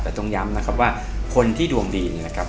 แต่ต้องย้ำนะครับว่าคนที่ดวงดีเนี่ยนะครับ